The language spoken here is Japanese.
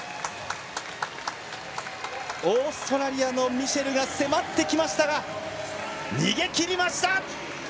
オーストラリアのミシェルが迫ってきましたが逃げきりました！